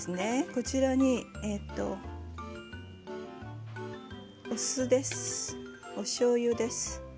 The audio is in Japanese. こちらにお酢、おしょうゆです。